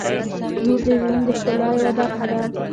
• لور د ژوند د ښکلا یوه برخه ده.